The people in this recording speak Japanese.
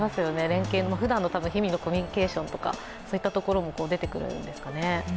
連係もふだんの日々のコミュニケーションとか、そういったところも出てくるんですかね。